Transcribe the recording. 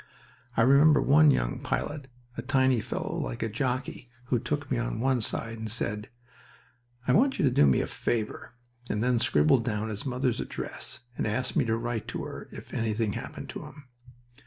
I remember one young pilot a tiny fellow like a jockey, who took me on one side and said, "I want you to do me a favor," and then scribbled down his mother's address and asked me to write to her if "anything" happened to him.